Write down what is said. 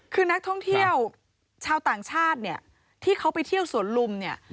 คือนักท่องเที่ยวชาวต่างชาติเนี่ยที่เขาไปเที่ยวสวนลุมเนี่ย